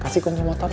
kasih kunjung motor